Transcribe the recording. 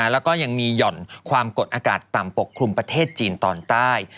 แล้วก็ยังมีห่อนความกดอากาศต่ำปกคลุมประเทศจีนตอนใต้